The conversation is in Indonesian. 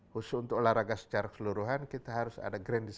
khusus untuk olahraga secara keseluruhan kita harus ada grand desig